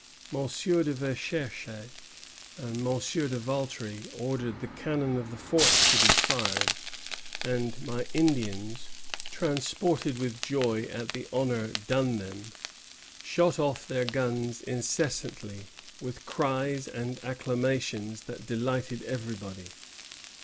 Monsieur de Verchères and Monsieur de Valtry ordered the cannon of the fort to be fired; and my Indians, transported with joy at the honor done them, shot off their guns incessantly, with cries and acclamations that delighted everybody."